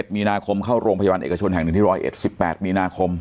มีนาคมเข้าโรงพยาบาลเอกชนแห่ง๑ที่๑๑๑๘มีนาคม